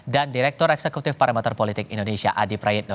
dan direktur eksekutif paramater politik indonesia adi prayitno